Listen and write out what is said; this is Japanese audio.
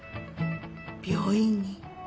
病院に。